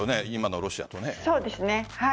今のロシアと。